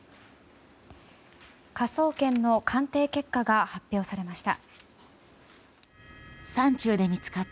科捜研の鑑定結果が発表しました。